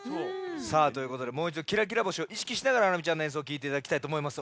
さあということでもういちど「きらきら星」をいしきしながらハラミちゃんのえんそうをきいていただきたいとおもいます。